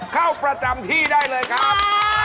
เข้าประจำที่ได้เลยครับ